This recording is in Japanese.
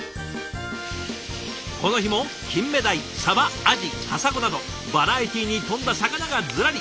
この日もキンメダイサバアジカサゴなどバラエティーに富んだ魚がズラリ。